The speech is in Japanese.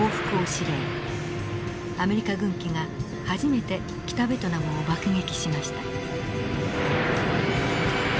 アメリカ軍機が初めて北ベトナムを爆撃しました。